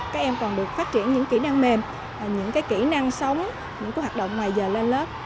các em còn được phát triển những kỹ năng mềm những kỹ năng sống những hoạt động ngoài giờ lên lớp